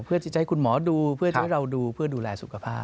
เพื่อที่จะให้คุณหมอดูเพื่อที่เราดูเพื่อดูแลสุขภาพ